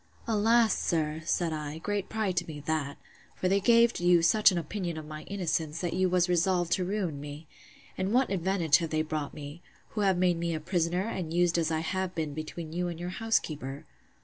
Alas! sir, said I, great pride to me that! For they gave you such an opinion of my innocence, that you was resolved to ruin me. And what advantage have they brought me!—Who have been made a prisoner, and used as I have been between you and your housekeeper.